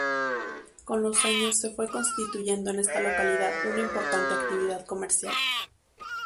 Con los años se fue constituyendo en esta localidad una importante actividad comercial.